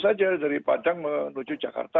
saja dari padang menuju jakarta